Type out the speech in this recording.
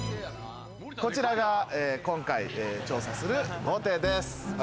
こちらが今回調査する豪邸です。